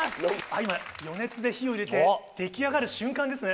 今余熱で火を入れて出来上がる瞬間ですね。